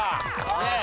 ねえ。